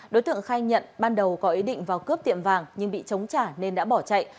đối tượng khai nhận ban đầu có ý định vào cướp tiệm vàng nhưng bị chống trả nên đã bỏ chạy